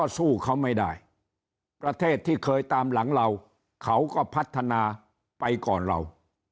สู้เขาไม่ได้ประเทศที่เคยตามหลังเราเขาก็พัฒนาไปก่อนเรา